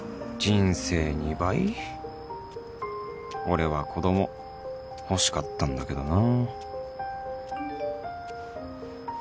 俺は子供欲しかったんだけどな